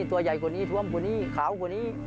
ตัวใหญ่กว่านี้ท่วมกว่านี้ขาวกว่านี้